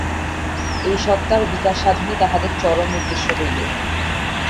এই সত্তার বিকাশ-সাধনই তাহাদের চরম উদ্দেশ্য হইল।